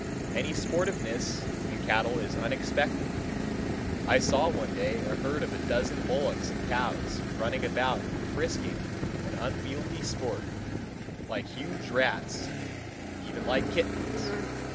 Any sportiveness in cattle is unexpected. I saw one day a herd of a dozen bullocks and cows running about and frisking in unwieldy sport, like huge rats, even like kittens.